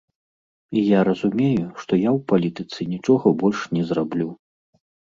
І я разумею, што я ў палітыцы нічога больш не зраблю.